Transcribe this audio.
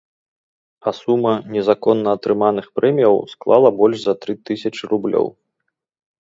А сума незаконна атрыманых прэміяў склала больш за тры тысячы рублёў.